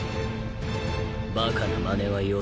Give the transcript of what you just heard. バカなまねはよせ。